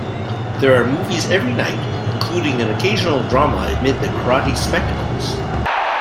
There are movies every night, including an occasional drama amid the karate spectacles.